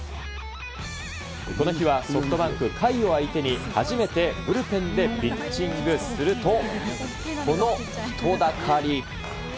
この日はソフトバンク、甲斐を相手に初めてブルペンでピッチングすると、この人だかり。